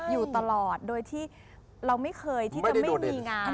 อยู่ตลอดโดยที่เราไม่เคยที่จะไม่มีงาน